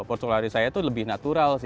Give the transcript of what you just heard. postur lari saya itu lebih natural